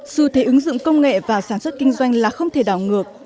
xu thế ứng dụng công nghệ và sản xuất kinh doanh là không thể đảo ngược